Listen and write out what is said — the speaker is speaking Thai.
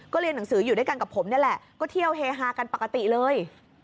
เรียนหนังสืออยู่ด้วยกันกับผมนี่แหละก็เที่ยวเฮฮากันปกติเลย